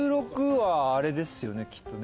１６はあれですよね。